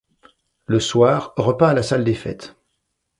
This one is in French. Le soir repas à la salle des fêtes.